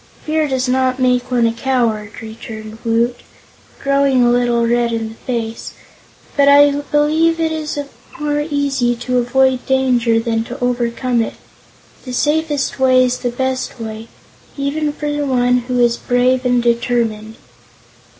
"Fear does not make one a coward," returned Woot, growing a little red in the face, "but I believe it is more easy to avoid danger than to overcome it. The safest way is the best way, even for one who is brave and determined."